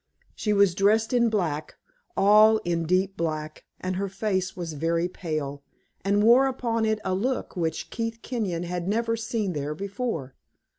She was dressed in black all in deep black and her face was very pale, and wore upon it a look which Keith Kenyon had never seen there before.